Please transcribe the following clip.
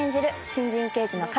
新人刑事の鐘